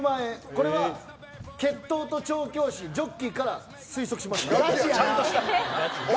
これは血統と調教師ジョッキーから推測しました。